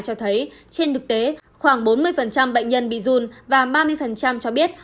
cho thấy trên đực tế khoảng bốn mươi bệnh nhân bị dung và ba mươi cho biết